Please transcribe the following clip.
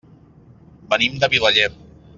Venim de Vilaller.